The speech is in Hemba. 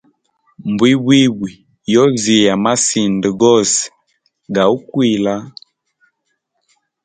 Mbwimbwi yoziya masinda gose ga ukwilila.